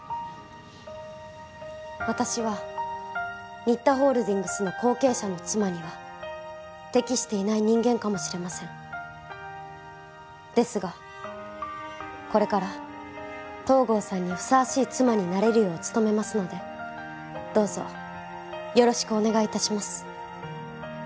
私は新田ホールディングスの後継者の妻には適していない人間かもしれませんですがこれから東郷さんにふさわしい妻になれるよう努めますのでどうぞよろしくお願いいたします